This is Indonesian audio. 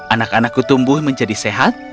anak anakku tumbuh menjadi sehat